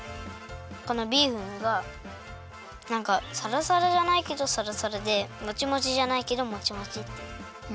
このビーフンがなんかサラサラじゃないけどサラサラでモチモチじゃないけどモチモチっていう。